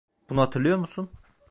Bunu hatırlıyor musun?